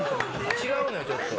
違うのよちょっと。